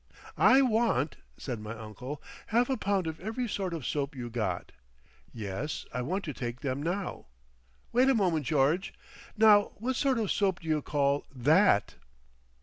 "I want," said my uncle, "half a pound of every sort of soap you got. Yes, I want to take them now. Wait a moment, George.... Now what sort of soap d'you call _that?